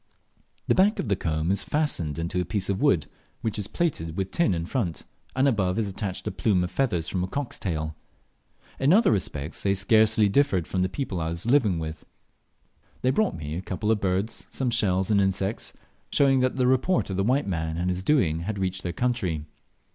The back of the comb is fastened into a piece of wood, which is plated with tin in front, and above is attached a plume of feathers from a cock's tail. In other respects they scarcely differed from the people I was living with. They brought me a couple of birds, some shells and insects; showing that the report of the white man and his doing had reached their country.